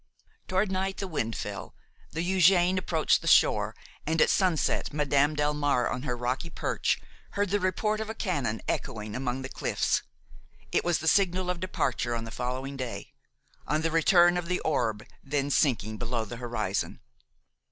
Toward night the wind fell. The Eugène approached the shore, and at sunset Madame Delmare on her rocky perch heard the report of a cannon echoing among the cliffs. It was the signal of departure on the following day, on the return of the orb then sinking below the horizon.